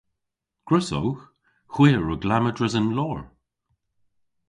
Gwrussowgh. Hwi a wrug lamma dres an loor.